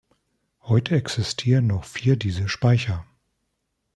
Heute existieren noch vier dieser Speicher.